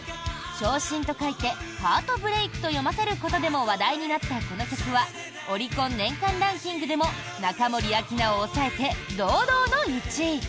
傷心と書いてハートブレイクと読ませることでも話題になったこの曲はオリコン年間ランキングでも中森明菜を抑えて堂々の１位。